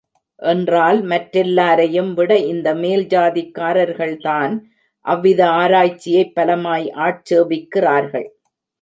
என்றால் மற்றெல்லாரையும் விட இந்த மேல் ஜாதிக்காரர்கள் தான் அவ்வித ஆராய்ச்சியைப் பலமாய் ஆட்சேபிக்கிறார்கள்.